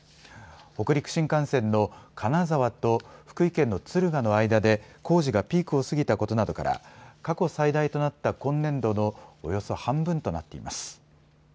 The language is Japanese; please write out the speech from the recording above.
北陸新幹線の金沢と福井県の敦賀の間で工事がピークを過ぎたことなどから過去最大となった今年度のおよそ半分となっています。